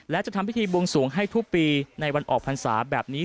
และจะทำพิธีบวงสวงให้ทุกปีในวันออกพรรษาแบบนี้